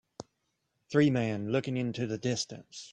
Three man looking into the distance